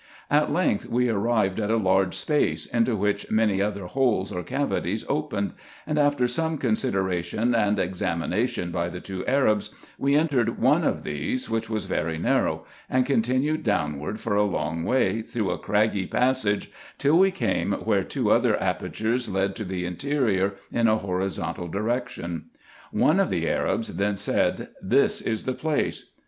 At length we arrived at a large space, into which many other holes or cavities opened ; and after some consideration and examination by the two Arabs, we entered one of these, which was very narrow, and continued downward for a long way, through a craggy passage, till we came where two other apertures led to the interior in a horizontal direction. One of the Arabs then said " This is the place."